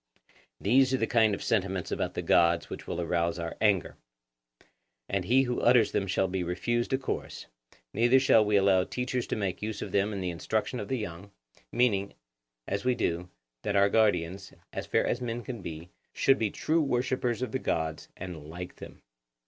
These are the kind of sentiments about the gods which will arouse our anger; and he who utters them shall be refused a chorus; neither shall we allow teachers to make use of them in the instruction of the young, meaning, as we do, that our guardians, as far as men can be, should be true worshippers of the gods and like them.